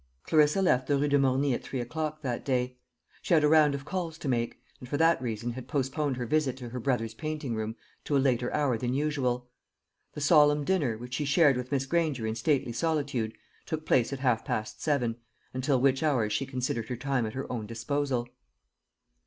Clarissa left the Rue de Morny at three o'clock that day. She had a round of calls to make, and for that reason had postponed her visit to her brother's painting room to a later hour than usual. The solemn dinner, which she shared with Miss Granger in stately solitude, took place at half past seven, until which hour she considered her time at her own disposal.